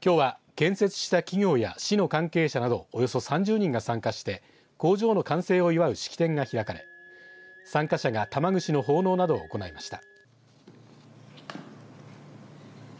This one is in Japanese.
きょうは建設した企業や市の関係者などおよそ３０人が参加して工場の完成を祝う式典が開かれ参加者が玉串の奉納などを行いました。